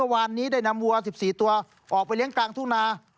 วันนี้ได้นำวัว๑๔ตัวออกไปเลี้ยงกลางทุ่งนา